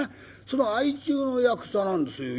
その相中の役者なんですよ